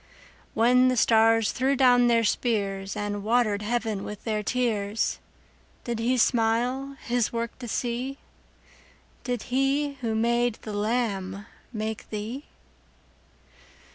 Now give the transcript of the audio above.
When the stars threw down their spears, And water'd heaven with their tears, Did He smile His work to see? Did He who made the lamb make thee?